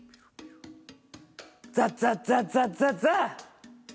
ザザザザザザ！